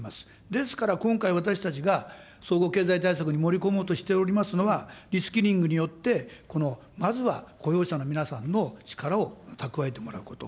ですから今回、私たちが総合経済対策に盛り込もうとしておりますのは、リスキリングによって、このまずは雇用者の皆さんの力を蓄えてもらうこと。